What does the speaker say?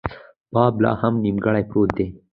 باب لا هم نیمګړۍ پروت دی.